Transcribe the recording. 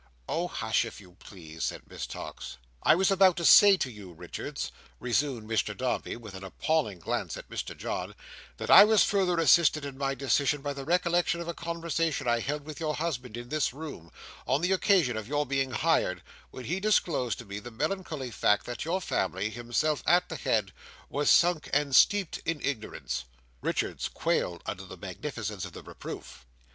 "Oh, hush if you please!" said Miss Tox. "I was about to say to you, Richards," resumed Mr Dombey, with an appalling glance at Mr John, "that I was further assisted in my decision, by the recollection of a conversation I held with your husband in this room, on the occasion of your being hired, when he disclosed to me the melancholy fact that your family, himself at the head, were sunk and steeped in ignorance." Richards quailed under the magnificence of the reproof.